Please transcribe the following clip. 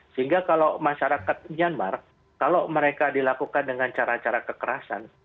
sehingga kalau masyarakat myanmar kalau mereka dilakukan dengan cara cara kekerasan